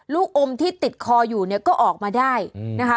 ลูกอมที่ติดคออยู่เนี่ยก็ออกมาได้นะคะ